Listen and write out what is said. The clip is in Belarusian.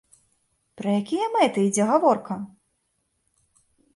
Пра якія мэты ідзе гаворка?